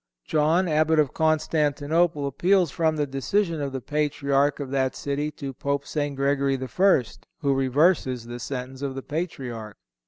John, Abbot of Constantinople, appeals from the decision of the Patriarch of that city to Pope St. Gregory I., who reverses the sentence of the Patriarch.